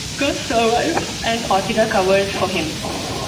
Gus survives and Ortega covers for him.